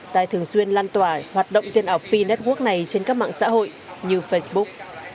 tài thường xuyên lan tỏa hoạt động tiền ảo p network này trên các mạng xã hội như facebook